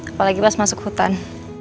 apalagi pas masuk hutan